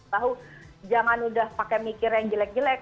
tahu jangan udah pakai mikir yang jelek jelek